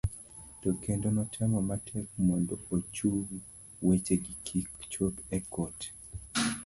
to kendo notemo matek mondo ochung wechegi kik chop e kot